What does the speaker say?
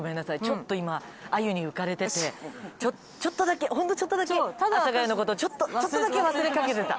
ちょっと今鮎に浮かれててちょっとだけほんのちょっとだけ阿佐ヶ谷の事をちょっとだけ忘れかけてた。